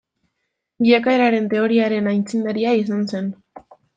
Bilakaeraren teoriaren aitzindaria izan zen.